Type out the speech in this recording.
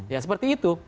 ya seperti itu